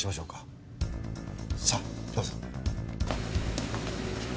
さあどうぞ。